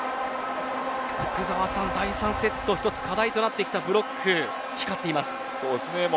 福澤さん、第３セット一つ課題となってきたブロック光っています。